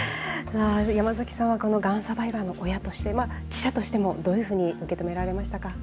山崎さんは、このがんサバイバーの親として、記者としてもどういうふうに受け止められましたか。